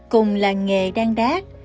cùng làng nghề đang đát